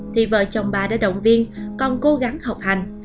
thì vợ chồng bà đã động viên còn cố gắng học hành